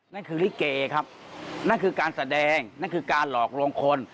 นั่นคือลิเกครับนั่นคือการแสดงนั่นคือการหลอกลวงคน